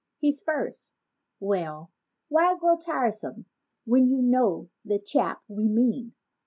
He's first—well why grow tiresome when you know the chap we mean.